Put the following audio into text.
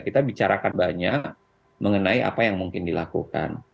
kita bicarakan banyak mengenai apa yang mungkin dilakukan